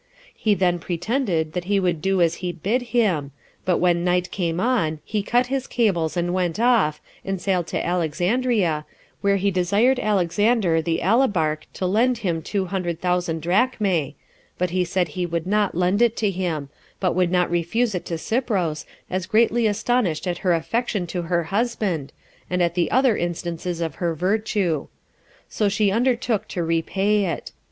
He then pretended that he would do as he bid him; but when night came on, he cut his cables, and went off, and sailed to Alexandria, where he desired Alexander the alabarch 19 to lend him two hundred thousand drachmae; but he said he would not lend it to him, but would not refuse it to Cypros, as greatly astonished at her affection to her husband, and at the other instances of her virtue; so she undertook to repay it.